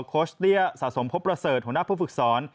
โคชเตี้ยสะสมพบประเสริฐหัวหน้าผู้ฝึกสอน